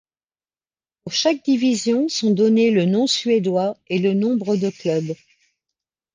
Pour chaque division sont donnés le nom suédois et le nombre de clubs.